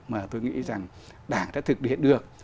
mà tôi nghĩ rằng đảng đã thực hiện được